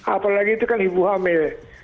apalagi itu kan ibu hamil